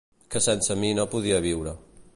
Que sense mi no podia viure.